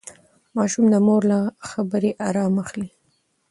ماشوم د مور له خبرې ارام اخلي.